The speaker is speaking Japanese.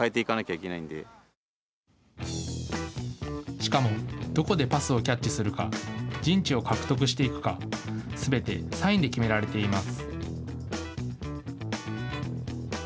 しかもどこでパスをキャッチするか陣地を獲得していくかすべてサインで決められています。